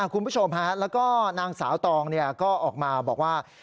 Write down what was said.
คุณผู้ชมฮะแล้วก็นางสาวตองก็ออกมาบอกว่า